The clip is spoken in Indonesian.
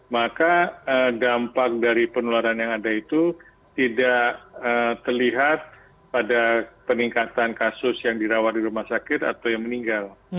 maka dampak dari penularan yang ada itu tidak terlihat pada peningkatan kasus yang dirawat di rumah sakit atau yang meninggal